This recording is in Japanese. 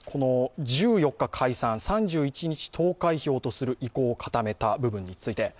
１４日解散、３１日投開票とする意向を固めた部分について。